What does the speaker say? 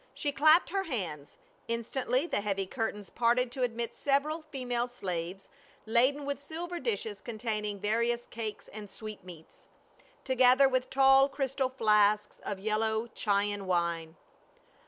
She clapped her hands, instantly the heavy curtains parted to admit several female slaves laden with silver dishes containing vari ous cakes and sweetmeats, together with tall crystal flasks of yellow Chian wine.